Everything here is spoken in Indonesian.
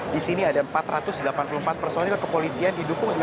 di sini ada empat ratus delapan puluh empat personil kepolisian didukung